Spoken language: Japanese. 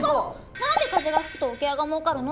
何で風が吹くと桶屋が儲かるの？